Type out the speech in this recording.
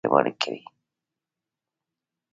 آزاد تجارت مهم دی ځکه چې پوهنتونونه نړیوال کوي.